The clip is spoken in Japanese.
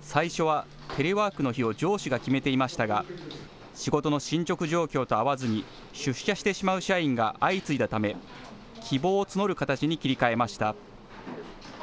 最初はテレワークの日を上司が決めていましたが仕事の進捗状況と合わずに出社してしまう社員が相次いだため希望を募る形に切り替えました。